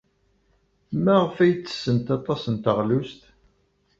Maɣef ay ttessent aṭas n teɣlust?